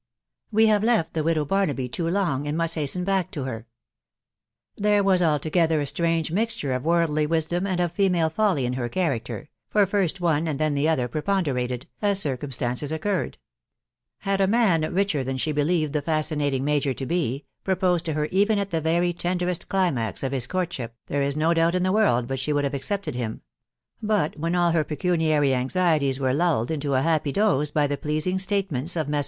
We have left the Widow Barnaby too long, and must hasten back to her. There was altogether a strange mixture of worldly wisdom and of female folly in her character, for first one and then the other preponderated, ut ettcra&ttaxrat s>s. 240 thu widow BAftNAB*. curred. Had a man, richer than she believed the 1hsfmtfs| major to be, proposed to her even at the very tenderesteBma of his courtship, there is no doubt in the world biTt she modi have accepted him ; but when all her pecuniary anzSetiei wae lulled into a happy doze by the pleasing statements of Mean.